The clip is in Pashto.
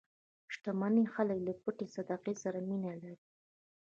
شتمن خلک له پټې صدقې سره مینه لري.